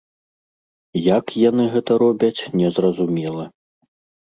Як яны гэта робяць, не зразумела.